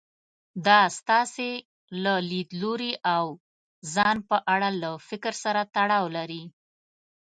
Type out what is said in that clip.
دا ستاسې له ليدلوري او ځان په اړه له فکر سره تړاو لري.